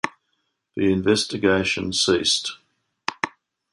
The investigation ceased.